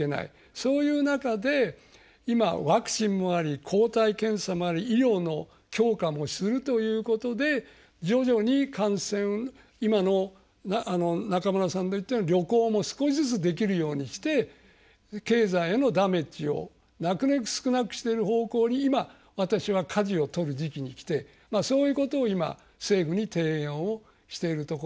そういう中で今ワクチンもあり抗体検査もあり医療の強化もするということで徐々に感染今の中村さんの言ったような旅行も少しずつできるようにして経済へのダメージをなるべく少なくしてる方向に今私はかじを取る時期に来てそういうことを今政府に提言をしているところで。